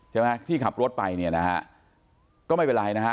ใช่ไหมที่ขับรถไปเนี่ยนะฮะก็ไม่เป็นไรนะฮะ